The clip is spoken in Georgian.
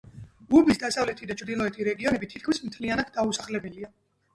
უბის დასავლეთი და ჩრდილოეთი რეგიონები თითქმის მთლიანად დაუსახლებელია.